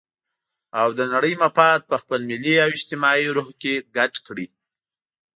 او د نړۍ مفاد په خپل ملي او اجتماعي روح کې ګډ کړي.